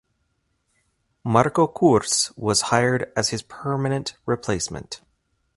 Marco Kurz was hired as his permanent replacement.